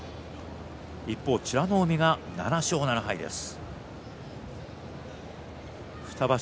一方、美ノ海が７勝７敗です。